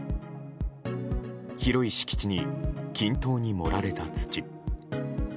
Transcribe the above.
広い敷地に、均等に盛られた土。